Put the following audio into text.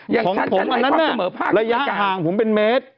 ของผมอันนั้นนะระยะห่างผมเป็นเมตร